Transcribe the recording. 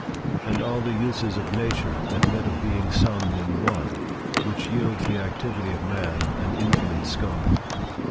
And all the uses of nature admit of being summed in one, which yields the activity of man an infinite scope.